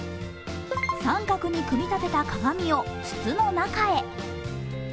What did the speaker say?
三角に組み立てた鏡を筒の中へ。